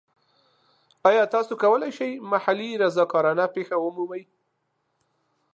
ایا تاسو کولی شئ د محلي رضاکارانه پیښه ومومئ؟